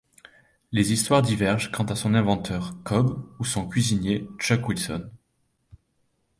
Les histoires divergent quant à son inventeur, Cobb ou son cuisinier, Chuck Wilson.